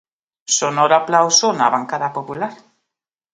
Sonoro aplauso na bancada popular.